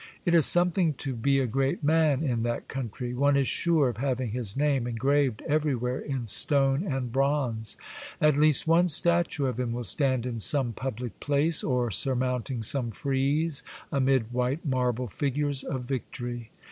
It is something to be a great man in that country. One is sure of having his name engraved everywhere in stone and bronze ; at least one statue of him will stand in some public place, or sur mounting some frieze, amid white marble figures of victory.